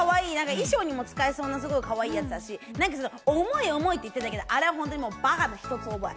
衣装にも使えそうな、かわいいやつだし、重い重いって言ってたけど、あれは馬鹿の一つ覚え。